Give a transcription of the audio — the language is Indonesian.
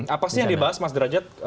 apa sih yang dibahas mas derajat